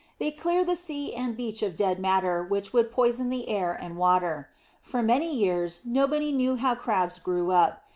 They clear the sea and beach of dead matter which would poison the air and water. For many years nobody knew how Crabs grew up.